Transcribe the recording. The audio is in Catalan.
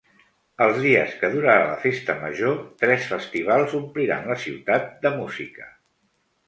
Els dies que durarà la festa major, tres festivals ompliran la ciutat de música.